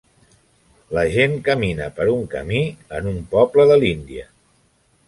La gent camina per un camí en un poble de l'Índia.